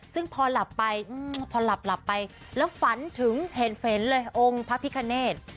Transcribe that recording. ซึ่งพอหลับไปพอหลับไปแล้วฝันถึงเห็นเลยองค์พระพิคเนธ